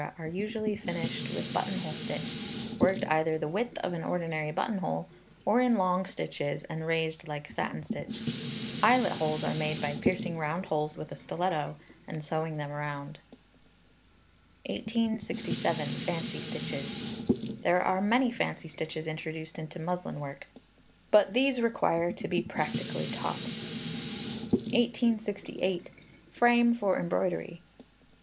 are usually finished with buttonhole stitch, worked either the width of an ordinary buttonhole, or in long stitches, and raised like satin stitch. Eyelet holes are made by piercing round holes with a stiletto, and sewing them round. 1867. Fancy Stitches. There are many fancy stitches introduced into muslin work, but these require to be practically taught. 1868. Frame for Embroidery.